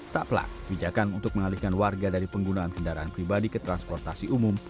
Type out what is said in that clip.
tak pelak bijakan untuk mengalihkan warga dari penggunaan kendaraan pribadi ke transportasi umum